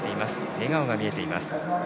笑顔が見えています。